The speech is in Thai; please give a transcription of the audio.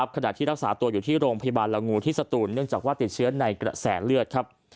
ขณะที่รักษาตัวอยู่ที่โรงพยาบาลละงูที่สตูนเนื่องจากว่าติดเชื้อในกระแสเลือดครับ